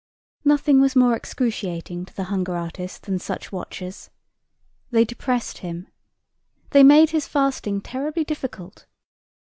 Nothing was more excruciating to the hunger artist than such watchers. They depressed him. They made his fasting terribly difficult.